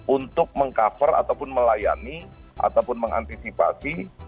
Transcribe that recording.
untuk mengcover ataupun melayani ataupun mengantisipasi